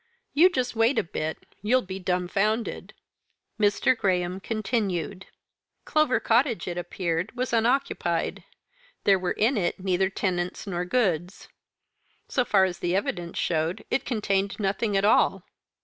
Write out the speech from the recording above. You just wait a bit, you'll be dumbfounded." Mr. Graham continued. "Clover Cottage it appeared was unoccupied. There were in it neither tenants nor goods. So far as the evidence showed, it contained nothing at all.